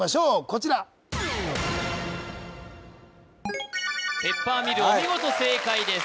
こちらペッパーミルお見事正解です